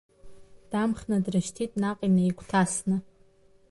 Дамхны дрышьҭит наҟ инаигәҭасны…